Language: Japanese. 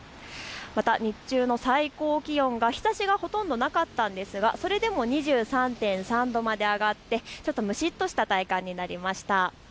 また日中の最高気温が日ざしがほとんどなかったんですが、それでも２３．３度まで上がって、ちょっと蒸しっとした体感になりました。